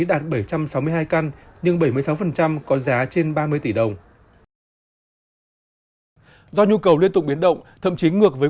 đạt bảy trăm sáu mươi hai căn nhưng bảy mươi sáu có giá trên ba mươi tỷ đồng do nhu cầu liên tục biến động thậm chí ngược với